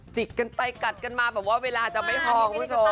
จิกกันไปกัดกันมาแบบว่าเวลาจะไม่พอคุณผู้ชม